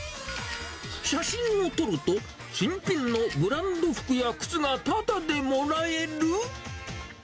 写真を撮ると、新品のブランド服や靴がただでもらえる？